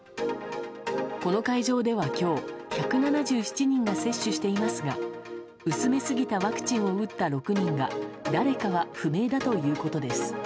この会場では今日１７７人が接種していますが薄めすぎたワクチンを打った６人が誰かは不明だということです。